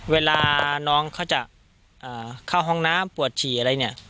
เวลาน้องเขาจะเข้าห้องน้ำปวดฉี่อะไรเนี่ย